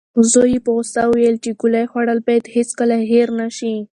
زوی یې په غوسه وویل چې ګولۍ خوړل باید هیڅکله هېر نشي.